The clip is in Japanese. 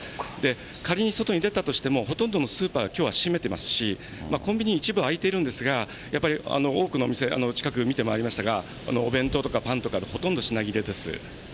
仮に外に出たとしても、ほとんどのスーパーがきょうは閉めてますし、コンビニ一部開いているんですが、やっぱり多くのお店、近く見てまいりましたが、お弁当とかパンとか、ほとんど品切れです。